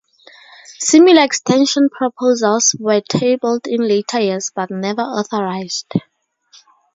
Similar extension proposals were tabled in later years, but never authorised.